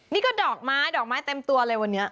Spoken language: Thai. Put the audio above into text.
นี่ก็ดอกไม้ดอกไม้เต็มตัวเลยวันนี้